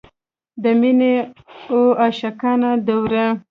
د مینې اوه عاشقانه دورې.